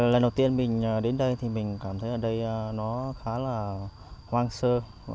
lần đầu tiên mình đến đây thì mình cảm thấy ở đây nó khá là hoang sơ